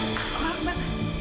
pak maaf pak